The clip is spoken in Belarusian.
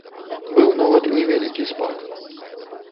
Быў нават невялікі спад.